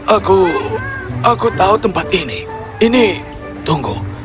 aku aku tahu tempat ini ini tunggu